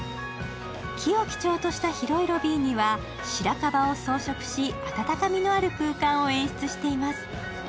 木を基調とした広いロビーには白樺を装飾し、温かみのある空間を演出しています。